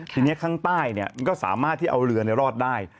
ทีนี้ข้างใต้มันก็สามารถที่เอาเรือรอดได้